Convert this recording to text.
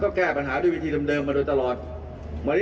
แต่มันหาผลสำริทไปได้